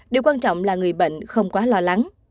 điều quan trọng là người bệnh không quá lo lắng